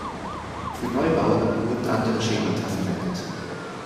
Für Neubauten wurden andere Schemata verwendet.